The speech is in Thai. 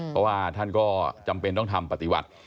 เพราะว่าท่านก็จำเป็นต้องทำปฏิบัติ